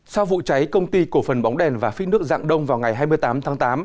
sau vụ cháy công ty cổ phần bóng đèn và phít nước dạng đông vào ngày hai mươi tám tháng tám